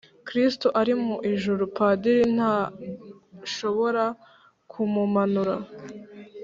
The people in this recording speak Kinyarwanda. Kristo ari mu ijuru padiri ntashobora kumumanura